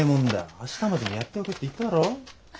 明日までにやっておけって言っただろ。